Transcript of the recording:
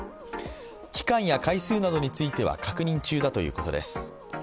期間や回数などについては確認中だということです。